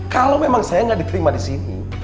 kalau memang saya tidak di terima di sini